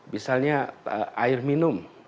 misalnya air minum